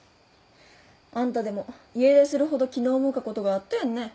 あんたでも家出するほど気の重かことがあっとやんね。